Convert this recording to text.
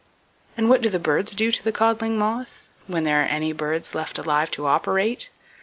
And what do the birds do to the codling moth,—when there are any birds left alive to operate?